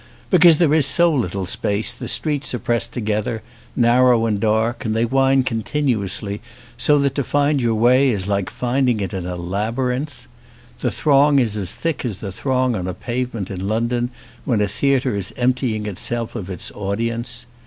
Because there is so little space the streets are pressed together, narrow and dark, and they wind continuously so that to find your way is like finding it in a labyrinth. The throng is as thick as the throng on a pavement in London when a theatre is emptying itself of its audience.